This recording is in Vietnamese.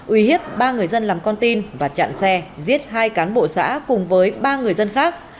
uy hiếp ba người dân làm con tin và chặn xe giết hai cán bộ xã cùng với ba người dân khác